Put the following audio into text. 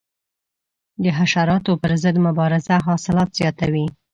د حشراتو پر ضد مبارزه حاصلات زیاتوي.